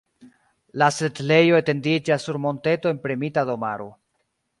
La setlejo etendiĝas sur monteto en premita domaro.